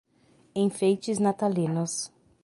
Enfeites natalinos